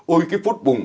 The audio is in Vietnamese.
ôi cái phút bùng